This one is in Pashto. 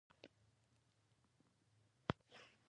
چي غوږ گران وي والى يې هم گران وي.